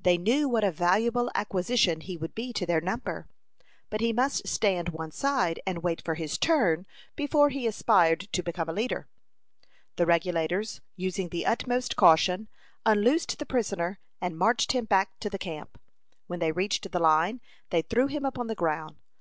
They knew what a valuable acquisition he would be to their number. But he must stand one side, and wait for his turn before he aspired to become a leader. The Regulators, using the utmost caution, unloosed the prisoner, and marched him back to the camp. When they reached the line, they threw him upon the ground.